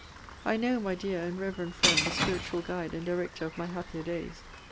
I know, my dear and reverend friend, the spiritual guide and director of my happier days!